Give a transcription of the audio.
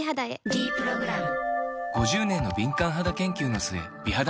「ｄプログラム」